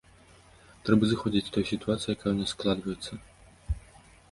Трэба зыходзіць з той сітуацыі, якая ў нас складваецца.